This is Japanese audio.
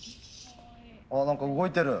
あ何か動いてる。